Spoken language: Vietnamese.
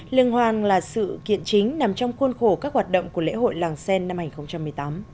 liên hoan là sự kiện chính nằm trong khuôn khổ các hoạt động của lễ hội làng sen năm hai nghìn một mươi tám